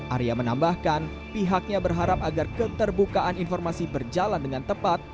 arya menambahkan pihaknya berharap agar keterbukaan informasi berjalan dengan tepat